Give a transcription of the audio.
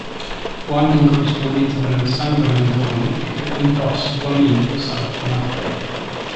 Fu anche in corrispondenza con Alessandro Manzoni e frequentò assiduamente il Salotto Maffei.